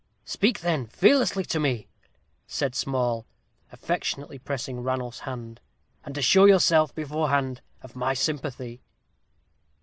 "Speak, then, fearlessly to me," said Small, affectionately pressing Ranulph's hand, "and assure yourself, beforehand, of my sympathy."